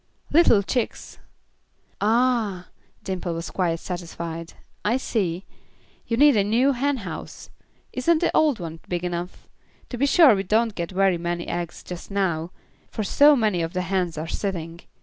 "Little chicks." "Ah!" Dimple was quite satisfied. "I see. You need a new hen house. Isn't the old one big enough? To be sure we don't get very many eggs just now, for so many of the hens are sitting.